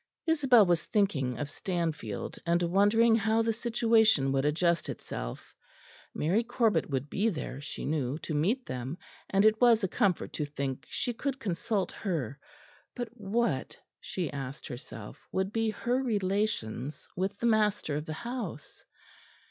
Isabel was thinking of Stanfield, and wondering how the situation would adjust itself; Mary Corbet would be there, she knew, to meet them; and it was a comfort to think she could consult her; but what, she asked herself, would be her relations with the master of the house?